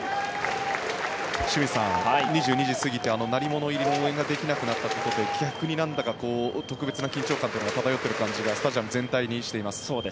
清水さん、２２時過ぎて鳴り物入りの応援ができなくなったということで逆になんだか特別な緊張感が漂っている感じがスタジアム全体にしています。